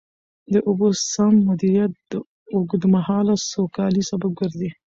د اوبو سم مدیریت د اوږدمهاله سوکالۍ سبب ګرځي.